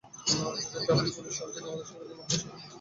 যদিও traffic police শুরু থেকেই আমাদের সঙ্গে দ্বিমত পোষণ করে আসছে।